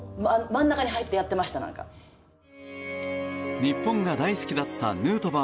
日本が大好きだったヌートバー